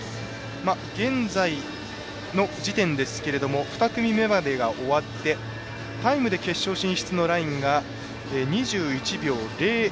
現在の時点ですけれども２組目までが終わってタイムで決勝進出のラインが２１秒０１。